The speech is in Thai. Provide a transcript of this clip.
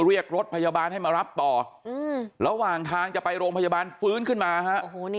เรียกรถพยาบาลให้มารับต่อระหว่างทางจะไปโรงพยาบาลฟื้นขึ้นมาฮะ